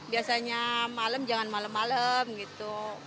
biasanya malam jangan malam malam gitu